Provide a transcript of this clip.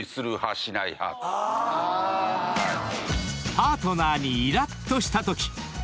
［パートナーにイラッとしたとき注意する派？